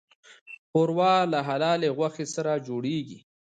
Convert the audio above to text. ښوروا له حلالې غوښې سره جوړیږي.